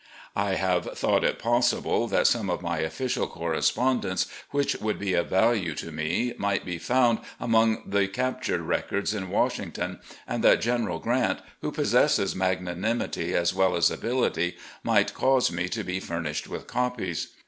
I have thought it possible that some of my official correspondence, which would be of value to me, might be found among the captured records in Washington, and that General Grant, who possesses magnanimity as well as ability, might cause me to be furnished with copies.